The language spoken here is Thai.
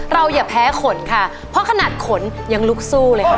อย่าแพ้ขนค่ะเพราะขนาดขนยังลุกสู้เลยค่ะ